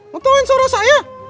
mau tau yang suara saya